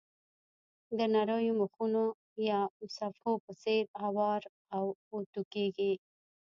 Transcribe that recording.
د نریو مخونو یا صفحو په څېر اوار او اوتو کېږي.